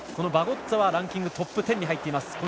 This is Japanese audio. バゴッツァはランキングトップ１０に入っています。